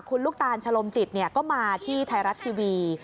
คุณลูกตาลชะลมจิตก็มาที่ไทยรัฐทีวี